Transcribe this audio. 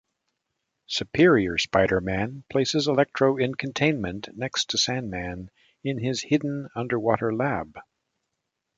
Superior Spider-Man places Electro in containment next to Sandman in his hidden underwater lab.